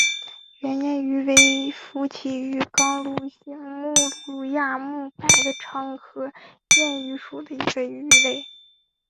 圆燕鱼为辐鳍鱼纲鲈形目鲈亚目白鲳科燕鱼属的一种鱼类。